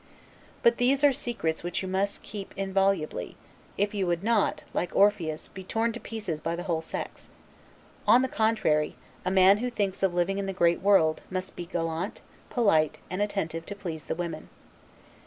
But these are secrets which you must keep inviolably, if you would not, like Orpheus, be torn to pieces by the whole sex; on the contrary, a man who thinks of living in the great world, must be gallant, polite, and attentive to please the women.